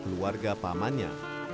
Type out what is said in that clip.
sebagai keluarga pamannya